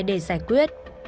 để giải quyết